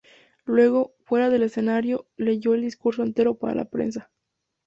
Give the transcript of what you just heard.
Luego, fuera del escenario, leyó el discurso entero para la prensa.